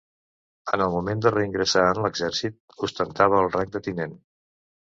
En el moment de reingressar en l'exèrcit ostentava el rang de tinent.